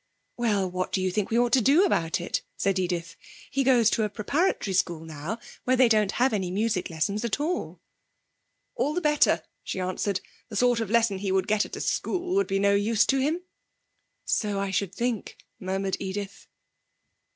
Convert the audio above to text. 'Well, what do you think we ought to do about it?' said Edith. 'He goes to a preparatory school now where they don't have any music lessons at all.' 'All the better,' she answered. 'The sort of lessons he would get at a school would be no use to him.' 'So I should think,' murmured Edith.